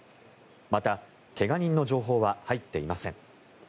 また、怪我人の情報は入っていません。